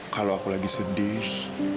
kalau aku lagi sedih